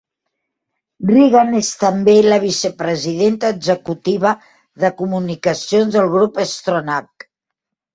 Regan és també la vice-presidenta executiva de comunicacions del Grup Stronach.